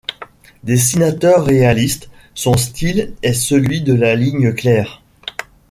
Dessinateur réaliste, son style est celui de la ligne claire.